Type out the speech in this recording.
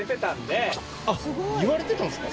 あっ言われてたんですか？